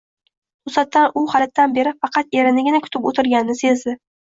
Toʼsatdan u halitdan beri faqat erinigina kutib oʼtirganini sezdi.